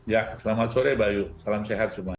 ya selamat sore mbak ayu salam sehat semua